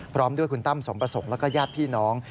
พร้อมด้วยคุณตั้มสมประสงค์แล้วก็ญาติพี่น้อง